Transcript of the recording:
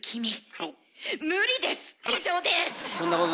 はい。